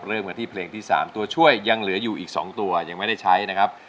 เริ่มกันที่เพลงที่๓ตัวช่วยยังเหลืออยู่อีก๒ตัวยังไม่ได้ใช้นะครับ